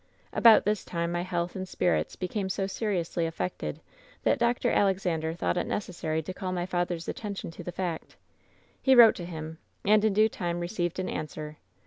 "About this time my health and spirits became so seriously affected that Dr. Alexander thought it neces sary to call my father's attention to the fact. He wrote to him, and in due time received an answer.